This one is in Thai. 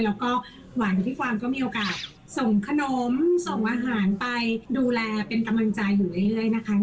แล้วก็หวานที่ความก็มีโอกาสส่งขนมส่งอาหารไปดูแลเป็นกำลังใจอยู่เรื่อยนะคะ